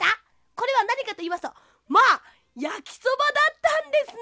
これはなにかといいますとまあやきそばだったんですね！